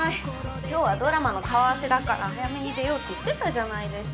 今日はドラマの顔合わせだから早めに出ようって言ってたじゃないですか。